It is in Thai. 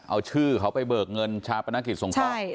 เอาชื่อเขาไปเบิกเงินชาวประนักกิจสงครอง